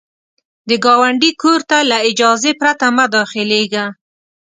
د ګاونډي کور ته له اجازې پرته مه داخلیږه